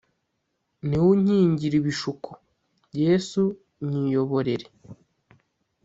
Niw’ unkingir’ ibishuko, Yesu nyiyoborere.